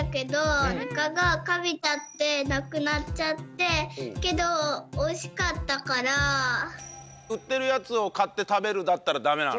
なくなっちゃってけどうってるやつをかってたべるだったらダメなの？